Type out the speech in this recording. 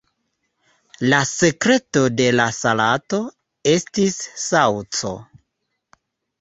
La sekreto de la salato estis saŭco.